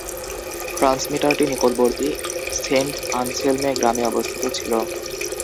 ট্রান্সমিটারটি নিকটবর্তী Saint Anselme গ্রামে অবস্থিত ছিল।